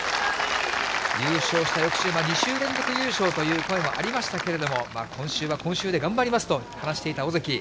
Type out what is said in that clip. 優勝した翌週、２週連続優勝という声もありましたけれども、今週は今週で頑張りますと話していた尾関。